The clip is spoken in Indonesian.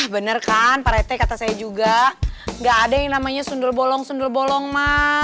bener kan parete kata saya juga gak ada yang namanya sundul bolong sundul bolong ma